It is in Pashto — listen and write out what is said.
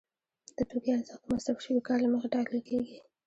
د توکي ارزښت د مصرف شوي کار له مخې ټاکل کېږي